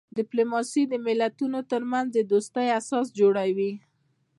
ډیپلوماسي د ملتونو ترمنځ د دوستۍ اساس جوړوي.